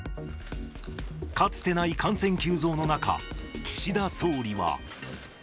かつてない感染急増の中、岸田総理は。